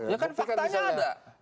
ya kan faktanya ada